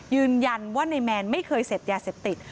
ยืนยันว่านายแมนไม่เคยเสพยาเสพติด